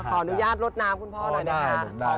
ขออนุญาตลดน้ำคุณพ่อหน่อยนะคะ